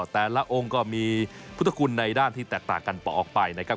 แต่ละองค์ก็มีพุทธคุณในด้านที่แตกต่างกันต่อออกไปนะครับ